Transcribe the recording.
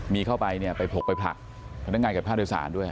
มีเข้าไปเนี่ยไปผกไปผลักพนักงานเก็บค่าโดยสารด้วย